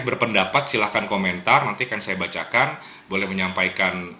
berpendapat silahkan komentar nanti akan saya bacakan boleh menyampaikan